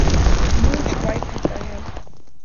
منہ چھپائے پھرتاہے۔